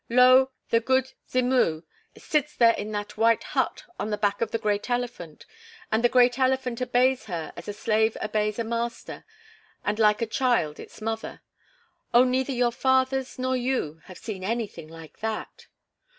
Lo, the 'Good Mzimu' sits there in that white hut on the back of the great elephant and the great elephant obeys her as a slave obeys a master and like a child its mother! Oh, neither your fathers nor you have seen anything like that."